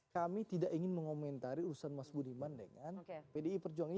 kami tidak ingin mengomentari urusan mas budiman dengan pdi perjuangan